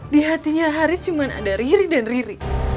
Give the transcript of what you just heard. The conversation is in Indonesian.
di hatinya haris cuma ada riri dan riri